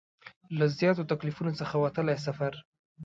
له زیاتو تکلیفونو څخه وتلی سفر دی.